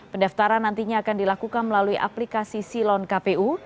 pendaftaran nantinya akan dilakukan melalui aplikasi silon kpu